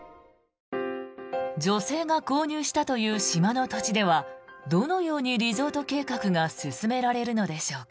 女性が購入したという島の土地ではどのようにリゾート計画が進められるのでしょうか。